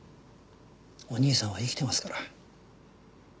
お兄さんは生きてますから。